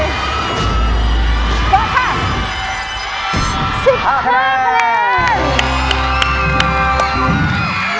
ก็ค่ะสิบห้าคะแนน